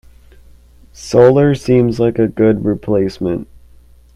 Solar seems like a good replacement.